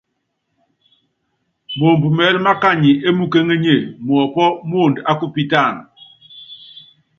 Moomb mɛɛlɛ́ mákany é mukéŋénye, muɔ́pɔ́ muond á kupitáan.